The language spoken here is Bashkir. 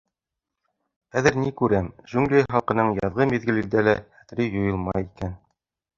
Хәҙер ни күрәм — Джунгли Халҡының яҙғы миҙгелдә лә хәтере юйылмай икән.